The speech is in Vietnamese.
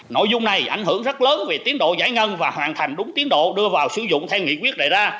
nội dung này ảnh hưởng rất lớn về tiến độ giải ngân và hoàn thành đúng tiến độ đưa vào sử dụng theo nghị quyết đề ra